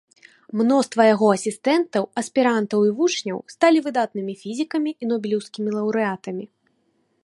Мноства яго асістэнтаў, аспірантаў і вучняў сталі выдатнымі фізікамі і нобелеўскімі лаўрэатамі.